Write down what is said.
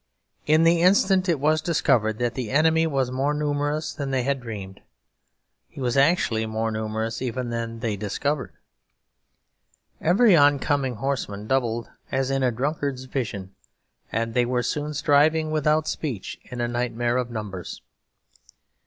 In the instant it was discovered that the enemy was more numerous than they had dreamed. He was actually more numerous even than they discovered. Every oncoming horseman doubled as in a drunkard's vision; and they were soon striving without speech in a nightmare of numbers.